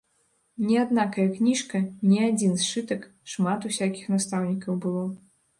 Не аднакая кніжка, не адзін сшытак, шмат усякіх настаўнікаў было.